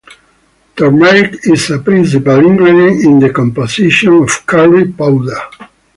Turmeric is a principal ingredient in the composition of curry-powder.